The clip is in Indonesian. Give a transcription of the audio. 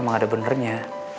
emang ada benernya